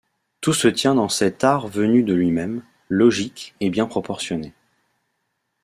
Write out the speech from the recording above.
Tout se tient dans cet art venu de lui-même, logique et bien proportionné.